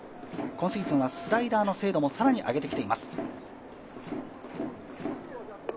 今シーズンはスライダーの精度も更に上げてきています。